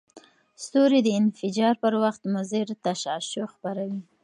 ستوري د انفجار پر وخت مضر تشعشع خپروي.